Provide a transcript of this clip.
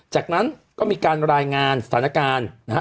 จากนั้นก็มีการรายงานสถานการณ์นะฮะ